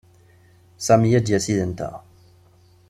Sami ad d-yas yid-nteɣ.